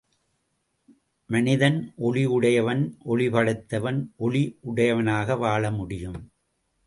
மனிதன் ஒளியுடையவன் ஒளிபடைத்தவன் ஒளியுடையவனாக வாழ முடியும்.